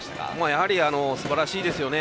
やはりすばらしいですよね。